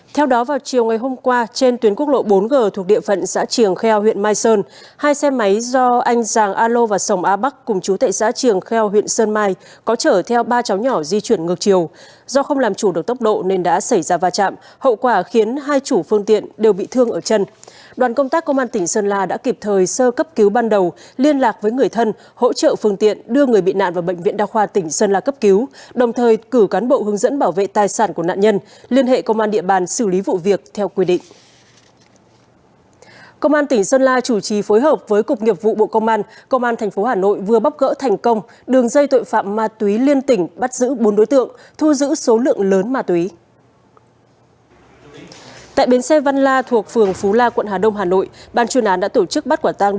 trong tình huống hai xe máy va chạm khiến nhiều người bị thương đoàn công tác công an tỉnh sơn la trong quá trình di chuyển từ thành phố sơn mã công tác đã kịp thời sơ cứu và hỗ trợ người bị nạn tới bệnh viện an toàn